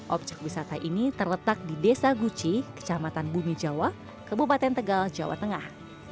objek wisata ini terletak di desa guci kecamatan bumi jawa kebupaten tegal jawa tengah